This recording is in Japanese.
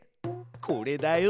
これだよ。